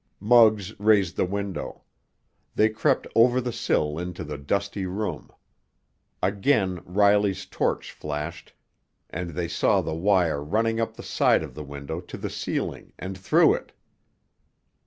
Muggs raised the window. They crept over the sill into the dusty room. Again Riley's torch flashed, and they saw the wire running up the side of the window to the ceiling and through it.